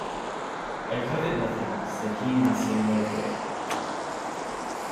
"I covet nothing," said he in the same light way.